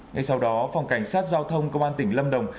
ngay sau đó phòng cảnh sát giao thông công an tỉnh lâm đồng